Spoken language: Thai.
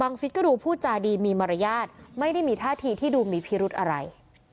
ฟิศก็ดูพูดจาดีมีมารยาทไม่ได้มีท่าทีที่ดูมีพิรุธอะไร